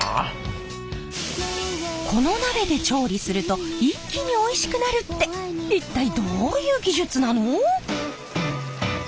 この鍋で調理すると一気においしくなるって一体どういう技術なの！？